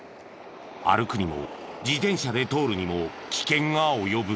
歩くにも自転車で通るにも危険が及ぶ。